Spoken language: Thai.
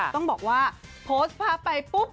ต้องบอกว่าโพสต์ภาพไปปุ๊บ